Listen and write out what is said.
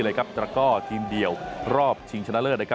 ดรทีมเดี่ยวรอบชิงชนะเลอร์